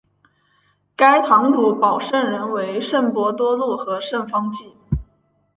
该堂主保圣人为圣伯多禄和圣方济。